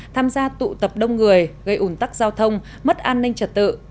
tham gia tụ tập đông người gây ủn tắc giao thông mất an ninh trật tự